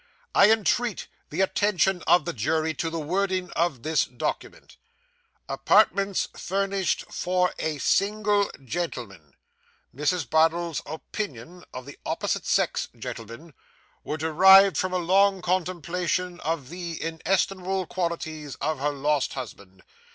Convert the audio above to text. I entreat the attention of the jury to the wording of this document "Apartments furnished for a single gentleman"! Mrs. Bardell's opinions of the opposite sex, gentlemen, were derived from a long contemplation of the inestimable qualities of her lost husband.